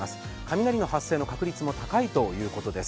雷の発生の確率も高いということです。